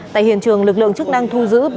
tại hiện trường lực lượng chức năng thu giữ